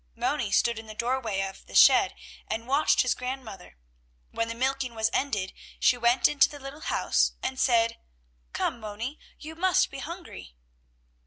Moni stood in the doorway of the shed and watched his grandmother. When the milking was ended, she went into the little house and said: "Come, Moni, you must be hungry."